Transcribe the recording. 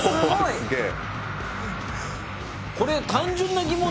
すげえ。